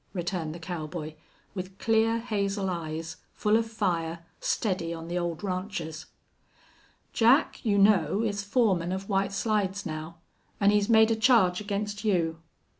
returned the cowboy, with clear, hazel eyes, full of fire, steady on the old rancher's. "Jack, you know, is foreman of White Slides now. An' he's made a charge against you."